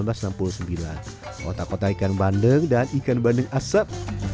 kota kota ikan bandeng dan ikan bandeng asap